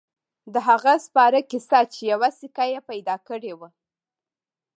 د هغه سپاره کیسه چې یوه سکه يې پیدا کړې وه.